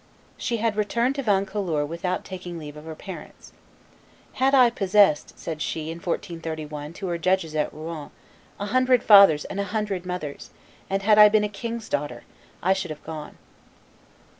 She had returned to Vaucouleurs without taking leave of her parents. "Had I possessed," said she, in 1431, to her judges at Rouen, "a hundred fathers and a hundred mothers, and had I been a king's daughter, I should have gone."